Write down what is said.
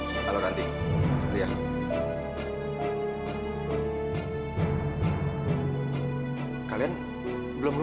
sampai jumpa di video selanjutnya